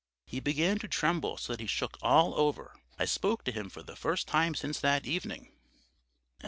"He began to tremble so that he shook all over. I spoke to him for the first time since that evening.